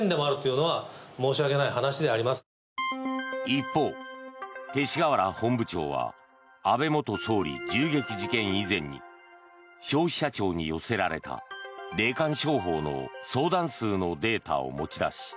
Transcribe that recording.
一方、勅使河原本部長は安倍元総理銃撃事件以前に消費者庁に寄せられた霊感商法の相談数のデータを持ち出し